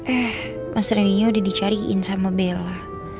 eh mas rendy nya udah dicariin sama bella